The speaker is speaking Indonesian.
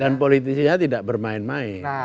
dan politiknya tidak bermain main